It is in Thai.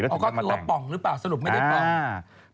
เอาข้อข้นไปว่าออกหรือเปล่าสรุปไม่ได้โปร่ง